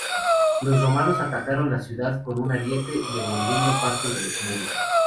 Los romanos atacaron la ciudad con un ariete, demoliendo parte de los muros.